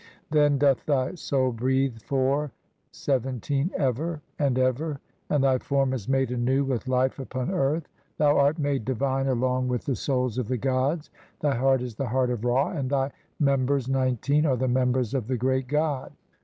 [Then] doth thy soul breathe for (17) ever and "ever, and thy form is made anew with life upon "earth ; thou art made divine along with the souls of "the gods, thy heart is the heart of Ra, and thy mem "bers (19) are the members of the great god."